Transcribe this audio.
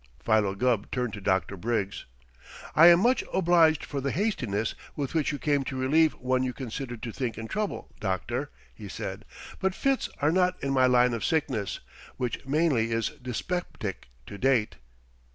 Philo Gubb turned to Dr. Briggs. "I am much obliged for the hastiness with which you came to relieve one you considered to think in trouble, doctor," he said, "but fits are not in my line of sickness, which mainly is dyspeptic to date."